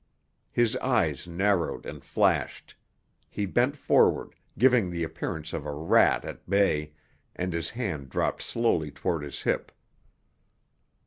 His eyes narrowed and flashed; he bent forward, giving the appearance of a rat at bay, and his hand dropped slowly toward his hip.